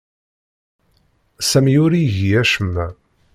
Sami ur igi acemma.